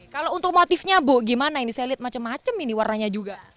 kalau untuk motifnya bu gimana ini saya lihat macam macam ini warnanya juga